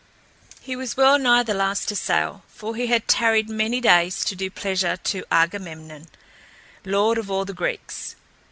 He was well nigh the last to sail, for he had tarried many days to do pleasure to Agamemnon, lord of all the Greeks.